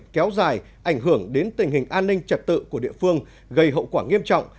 kéo dài ảnh hưởng đến tình hình an ninh trật tự của địa phương gây hậu quả nghiêm trọng